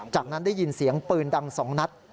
จากนั้นได้ยินเสียงปืนดัง๒นัด